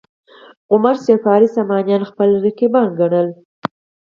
عمر صفاري سامانیان خپل رقیبان ګڼل.